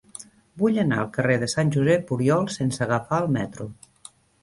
Vull anar al carrer de Sant Josep Oriol sense agafar el metro.